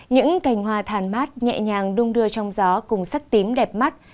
những cành hoa thàn mát nhẹ nhàng đung đưa trong gió cùng sắc tím đẹp mắt